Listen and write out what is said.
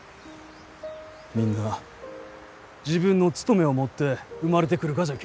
みんな自分の務めを持って生まれてくるがじゃき。